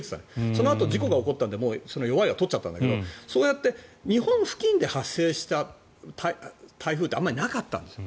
そのあと、事故が起こったのでその弱いは取っちゃったんだけどそうやって日本付近で発生した台風ってあまりなかったんです。